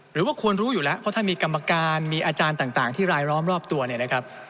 หรือว่าควรรู้อยู่แล้วเพราะถ้ามีกรรมการมีอาจารย์ต่างที่รายล้อมรอบตัวเนี่ยนะครับ